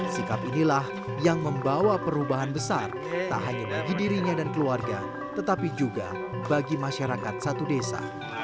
sikap inilah yang membawa perubahan besar tak hanya bagi dirinya dan keluarga tetapi juga bagi masyarakat satu desa